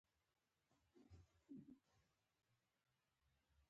بدې خبرې مو د بد حالت سره مه ګډوئ.